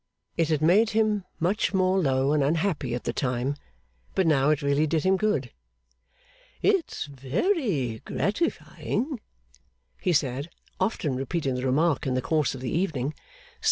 It had made him much more low and unhappy at the time, but now it really did him good. 'It's very gratifying,' he said, often repeating the remark in the course of the evening.